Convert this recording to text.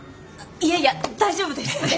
いやいや大丈夫です。